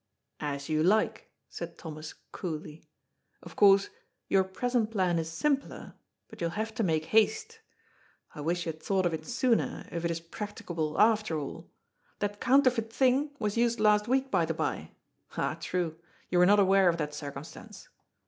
" As you like," said Thomas coolly. " Of course, your present plan is simpler, but you will have to make haste. I wish you had thought of it sooner, if it is practicable after 414 GOD'S POOL. all. That connterfeit thing was nsed last week, by the bye. Ah, trae ; you were not aware of that circumstance.